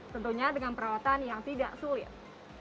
tentunya dengan perawatan yang tidak sulit